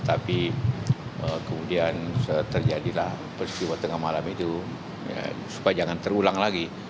tapi kemudian terjadilah peristiwa tengah malam itu supaya jangan terulang lagi